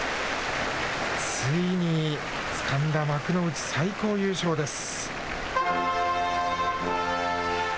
ついにつかんだ幕内最高優勝です。